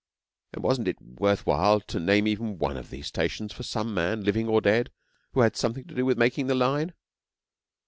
'And wasn't it worth while to name even one of these stations from some man, living or dead, who had something to do with making the line?'